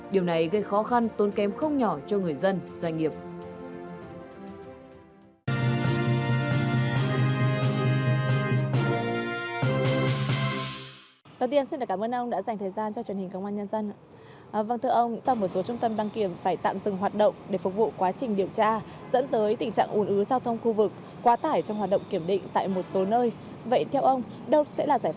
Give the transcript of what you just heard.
điều này gây khó khăn tốn kém không nhỏ cho người dân doanh nghiệp